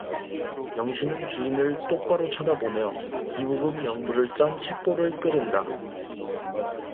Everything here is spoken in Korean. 영신은 주인을 똑바로 쳐다보며 기부금 명부를 싼 책보를 끄른다.